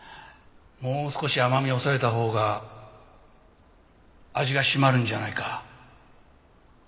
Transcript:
もう少し甘みを抑えたほうが味が締まるんじゃないか？